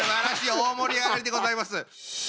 大盛り上がりでございます。